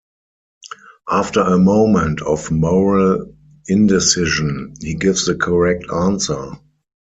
After a moment of moral indecision, he gives the correct answer.